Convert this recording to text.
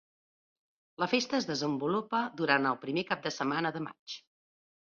La festa es desenvolupa durant el primer cap de setmana de maig.